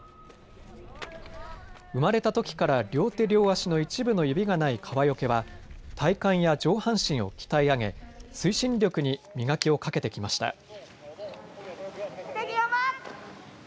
生まれたときから両手、両足の一部の指がない川除は体幹や上半身を鍛え上げ推進力に磨きをかけてきました。